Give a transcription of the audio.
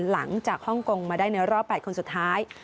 ฮ่องกงมาได้ในรอบ๘คนสุดท้าย